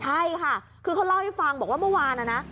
ใช่ค่ะคือเขาเล่าให้ฟังบอกว่าเมื่อวานนะนะ